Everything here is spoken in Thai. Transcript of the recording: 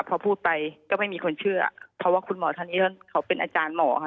พอพูดไปก็ไม่มีคนเชื่อเพราะว่าคุณหมอท่านนี้ท่านเขาเป็นอาจารย์หมอค่ะ